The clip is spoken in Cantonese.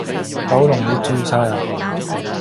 九龍你住曬呀！